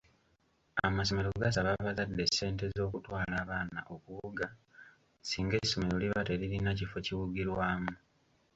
Amasomero gasaba abazadde ssente z’okutwala abaana okuwuga singa essomero liba nga teririna kifo kiwugirwamu.